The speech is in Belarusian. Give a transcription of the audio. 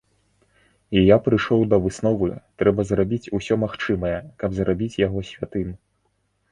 І я прыйшоў да высновы, трэба зрабіць усё магчымае, каб зрабіць яго святым.